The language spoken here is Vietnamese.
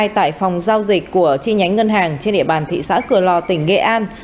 tại phòng giao dịch của chi nhánh ngân hàng trên địa bàn thị xã cửa lò tỉnh nghệ an